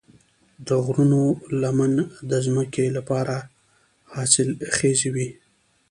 د غرونو لمنې د ځمکې لپاره حاصلخیزې وي.